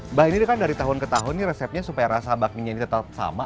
mbak ini kan dari tahun ke tahun ini resepnya supaya rasa bakminya ini tetap sama